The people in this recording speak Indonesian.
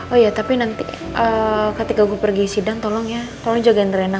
oh iya tapi nanti ketika gue pergi sidang tolong ya tolong jagain drena